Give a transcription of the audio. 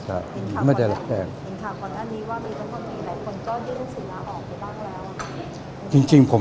ถามข้อนี้ว่ามีประกอบทรีย์หลายคนก็รุ่นศึกษายล้ายออกด้วยบ้างแล้ว